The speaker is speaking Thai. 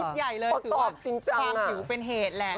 ใหญ่เลยถือว่าความผิวเป็นเหตุแหละ